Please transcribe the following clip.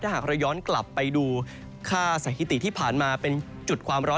หากเราย้อนกลับไปดูค่าสถิติที่ผ่านมาเป็นจุดความร้อน